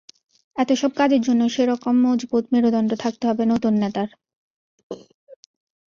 এত সব কাজের জন্য সে রকম মজবুত মেরুদণ্ড থাকতে হবে নতুন নেতার।